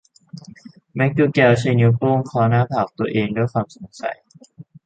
แมคดูแกลใช้นิ้วโป้งเคาะหน้าผากตัวเองด้วยความสงสัย